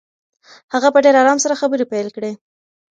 هغه په ډېر آرام سره خبرې پیل کړې.